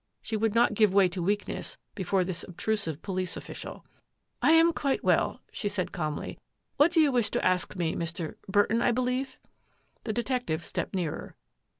She would not give way to weakness before this obtrusive police of ficial. " I am quite well," she said calmly. " What do you wish to ask me, Mr. — Burton, I believe?" The detective stepped nearer.